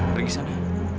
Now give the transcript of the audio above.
pergi ke sana